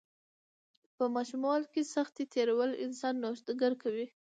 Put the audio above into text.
په ماشوموالي کې سختۍ تیرول انسان نوښتګر کوي.